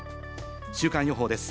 週間予報です。